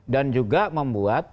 dan juga membuat